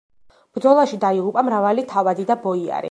ბრძოლაში დაიღუპა მრავალი თავადი და ბოიარი.